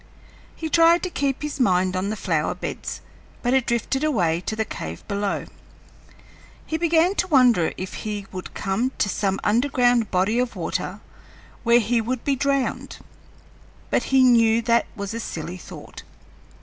He tried to keep his mind on the flower beds, but it drifted away to the cave below. He began to wonder if he would come to some underground body of water where he would be drowned; but he knew that was a silly thought.